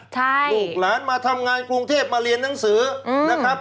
ใช่ลูกหลานมาทำงานกรุงเทพมาเรียนหนังสือนะครับ